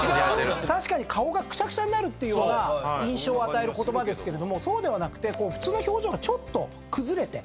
確かに顔がくしゃくしゃになるっていうような印象を与える言葉ですけれどもそうではなくて普通の表情がちょっと崩れて。